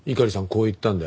こう言ったんだよ。